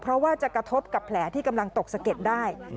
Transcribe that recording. เพราะว่าจะกระทบกับแผลที่กำลังตกสะเก็ดได้